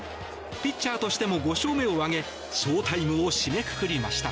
ピッチャーとしても５勝目を挙げショウタイムを締めくくりました。